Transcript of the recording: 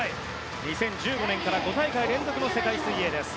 ２０１５年から５大会連続の世界水泳です。